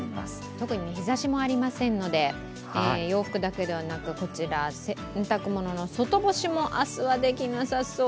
特に日ざしもありませんので洋服だけでなくこちら、洗濯物の外干しも明日はできなさそう。